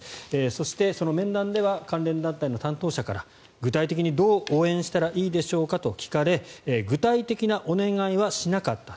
そしてその面談では関連団体の担当者から具体的に、どう応援したらいいでしょうかと聞かれ具体的なお願いはしなかった。